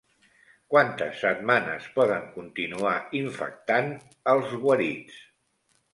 Quantes setmanes poden continuar infectant els guarits?